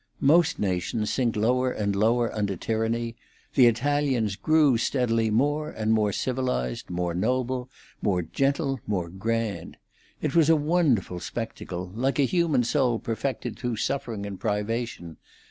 Most nations sink lower and lower under tyranny; the Italians grew steadily more and more civilised, more noble, more gentle, more grand. It was a wonderful spectacle—like a human soul perfected through suffering and privation.